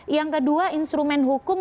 yang kedua instrumen hukum